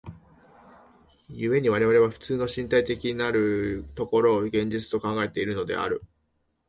故に我々は普通に身体的なる所を現実と考えているのである。